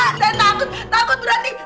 saya takut takut buranti saya pulang